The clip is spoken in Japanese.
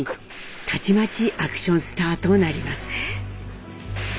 たちまちアクションスターとなります。